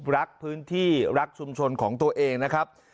รักพื้นที่รักชุมชนของตัวเองนะครับ